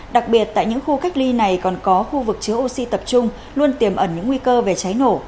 đặc biệt tại những khu cách ly này còn có khu vực chứa oxy tập trung luôn tiềm ẩn những nguy cơ về cháy nổ